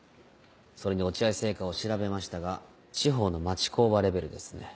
それに落合製菓を調べましたが地方の町工場レベルですね。